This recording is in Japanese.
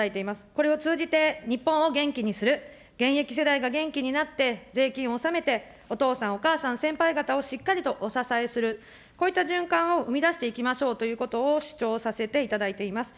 これを通じて日本を元気にする、現役世代が元気になって、税金を納めて、お父さん、お母さん、先輩方をしっかりとお支えする、こういった循環を生み出していきましょうということを主張させていただいています。